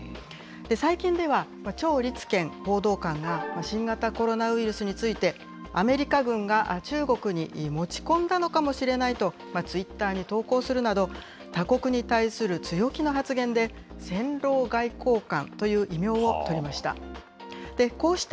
最近では、趙立堅報道官が、新型コロナウイルスについて、アメリカ軍が中国に持ち込んだのかもしれないと、ツイッターに投稿するなど、他国に対する強気な発言で、戦狼外交官という異名を取りました。